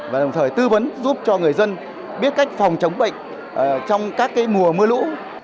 và đồng thời tư vấn giúp cho người dân biết cách phòng chống bệnh trong các mùa mưa lũ